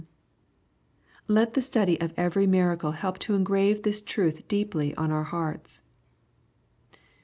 Let the study of every miracle help to engrave this truth deeply on our hearts.